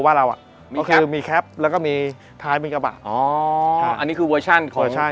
ว่าเราอ่ะก็คือมีแคปแล้วก็มีท้ายเป็นกระบาดอ๋ออันนี้คือเวอร์ชั่นของ